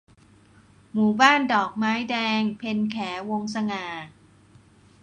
หมู่บ้านดอกไม้แดง - เพ็ญแข วงศ์สง่า